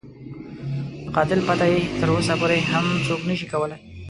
د قاتل پته یې تر اوسه پورې هم څوک نه شي کولای.